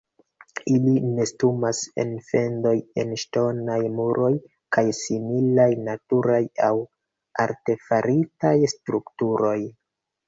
Ili nestumas en fendoj en ŝtonaj muroj kaj similaj naturaj aŭ artefaritaj strukturoj.